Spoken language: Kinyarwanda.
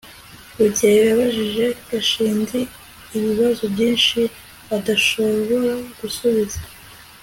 rugeyo yabajije gashinzi ibibazo byinshi adashobora gusubiza